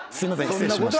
失礼しました。